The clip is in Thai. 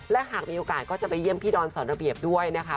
และหากมีโอกาสก็จะไปเยี่ยมพี่ดอนสอนระเบียบด้วยนะคะ